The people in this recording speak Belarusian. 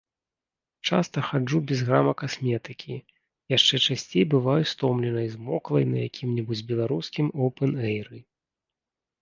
Часта хаджу без грама касметыкі, яшчэ часцей бываю стомленай, змоклай на якім-небудзь беларускім опэн-эйры.